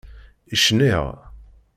Cniɣ.